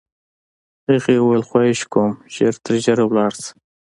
هغې وویل: خواهش کوم، ژر تر ژره ولاړ شه.